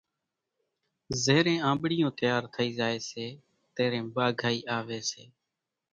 زيرين آنٻڙِيون تيار ٿئِي زائيَ سي تيرين ٻاگھائِي آويَ سي۔